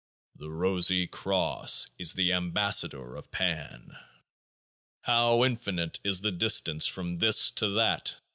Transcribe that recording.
The Rosy Cross is the Ambassador of Pan. How infinite is the distance from This to That